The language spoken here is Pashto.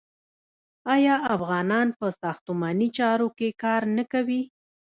آیا افغانان په ساختماني چارو کې کار نه کوي؟